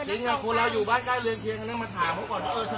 จริงหรือคนแล้วอยู่บ้านใกล้เรือนเทียงอันนั้นมาถามเพราะว่าเออ